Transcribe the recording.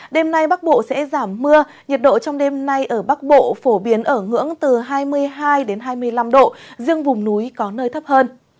đêm nay bắc bộ sẽ giảm mưa nhiệt độ trong đêm nay ở bắc bộ phổ biến ở ngưỡng từ hai mươi hai hai mươi năm độ riêng vùng núi có nơi thấp hơn